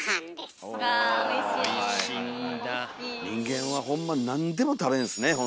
人間はほんま何でも食べるんすね